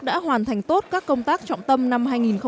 đã hoàn thành tốt các công tác trọng tâm năm hai nghìn một mươi chín